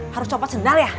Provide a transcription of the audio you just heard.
harus copot sendal ya